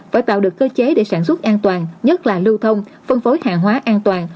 phải tạo được cơ chế để sản xuất an toàn nhất là lưu thông phân phối hàng hóa an toàn